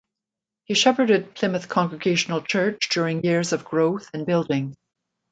He shepherded Plymouth Congregational Church during years of growth and building.